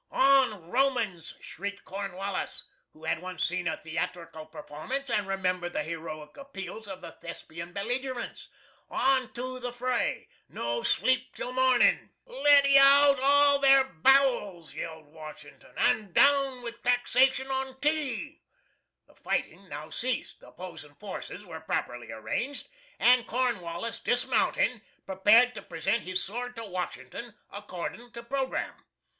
"On, Romans!" shrieked Cornwallis, who had once seen a theatrical performance and remembered the heroic appeals of the Thespian belligerents, "on to the fray! No sleep till mornin'." "Let eout all their bowels," yelled Washington, "and down with taxation on tea!" The fighting now ceased, the opposing forces were properly arranged, and Cornwallis, dismounting, prepared to present his sword to Washington according to programme.